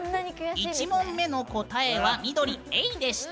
１問目の答えは緑、エイでした。